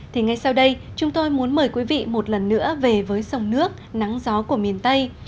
thì ngay sau đây chúng tôi muốn mời quý vị một lần nữa về với sông nước nắng gió của miền tây